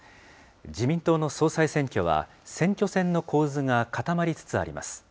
自民党の総裁選挙は、選挙戦の構図が固まりつつあります。